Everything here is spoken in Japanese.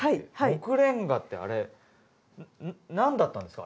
木レンガってあれ何だったんですか？